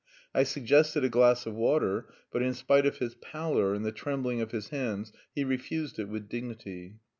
I suggested a glass of water; but in spite of his pallor and the trembling of his hands, he refused it with dignity.